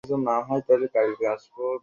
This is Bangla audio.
প্লিজ ওরা বলল বাড়িতে কেউ নেই ও কে আঙ্কেল?